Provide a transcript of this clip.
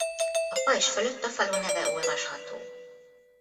A pajzs fölött a falu neve olvasható.